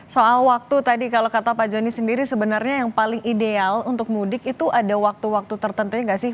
soal waktu tadi kalau kata pak joni sendiri sebenarnya yang paling ideal untuk mudik itu ada waktu waktu tertentunya nggak sih